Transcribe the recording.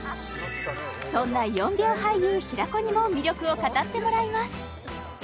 そんな４秒俳優平子にも魅力を語ってもらいます